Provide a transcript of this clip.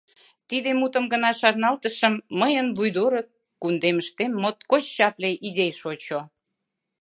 Тиде мутым гына шарналтышым — мыйын вуйдорык кундемыштем моткоч чапле идей шочо.